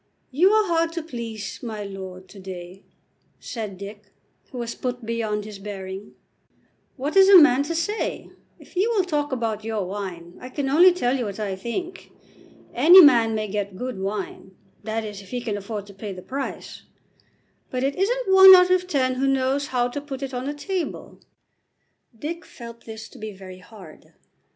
"You are hard to please, my lord, to day," said Dick, who was put beyond his bearing. "What is a man to say? If you will talk about your wine, I can only tell you what I think. Any man may get good wine, that is if he can afford to pay the price, but it isn't one out of ten who knows how to put it on the table." Dick felt this to be very hard.